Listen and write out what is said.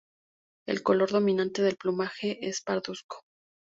El color dominante del plumaje es parduzco.